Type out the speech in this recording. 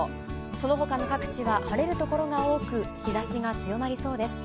そのほかの各地は晴れる所が多く、日ざしが強まりそうです。